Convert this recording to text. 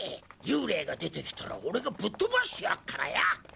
幽霊が出てきたら俺がぶっ飛ばしてやっからよぉ！